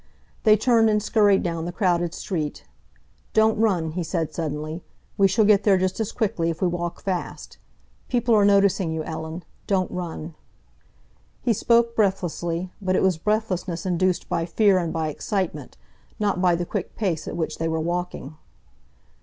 They turned and scurried down the crowded street. "Don't run," he said suddenly; "we shall get there just as quickly if we walk fast. People are noticing you, Ellen. Don't run." He spoke breathlessly, but it was breathlessness induced by fear and by excitement, not by the quick pace at which they were walking.